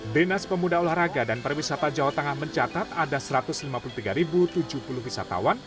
dinas pemuda olahraga dan perwisata jawa tengah mencatat ada satu ratus lima puluh tiga tujuh puluh wisatawan